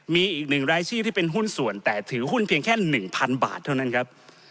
มีอีก๑รายชื่อที่เป็นหุ้นส่วนแต่ถือหุ้นเพียงแค่๑๐๐บาทเท่านั้นครับ